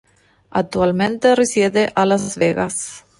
Attualmente risiede a Las Vegas.